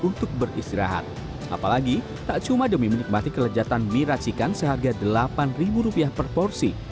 untuk beristirahat apalagi tak cuma demi menikmati kelejatan mie racikan seharga delapan ribu rupiah per porsi